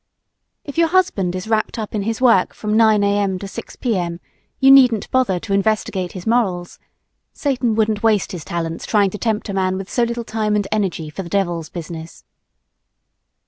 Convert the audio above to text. If your husband is wrapped up in his work from 9 A.M. to 6 P.M. you needn't bother to investigate his morals. Satan wouldn't waste his talents trying to tempt a man with so little time and energy for the devil's business.